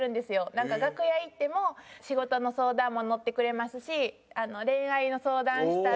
なんか楽屋行っても仕事の相談も乗ってくれますし恋愛の相談したら。